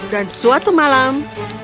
dan suatu malam